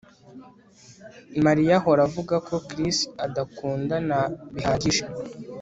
Mariya ahora avuga ko Chris adakundana bihagije